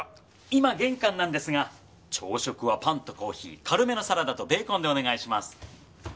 今玄関なんですが朝食はパンとコーヒー軽めのサラダとベーコンでお願いします。